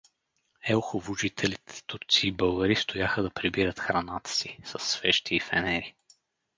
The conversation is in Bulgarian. Елхово жителите турци и българи стояха да прибират храната си, със свещи и фенери.